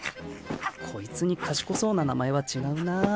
こいつに賢そうな名前は違うな。